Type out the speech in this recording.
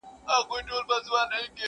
پر کنړ او کندهار یې پنجاب ګرځي!